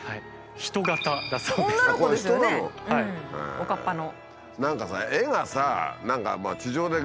おかっぱの。